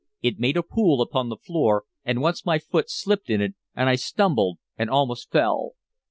It made a pool upon the floor, and once my foot slipped in it, and I stumbled and almost fell.